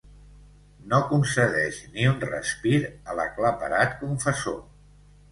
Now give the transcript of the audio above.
No concedeix ni un respir a l'aclaparat confessor.